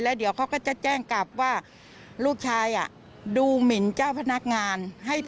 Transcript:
เดี๋ยวเขาก็จะแจ้งกลับว่าลูกชายดูหมินเจ้าพนักงาน